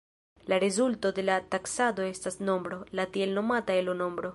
La rezulto de la taksado estas nombro, la tiel nomata Elo-nombro.